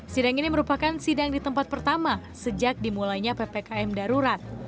sidang ini merupakan sidang di tempat pertama sejak dimulainya ppkm darurat